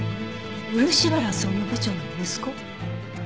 漆原総務部長の息子？